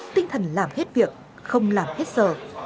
tinh thần làm hết việc không làm hết sờ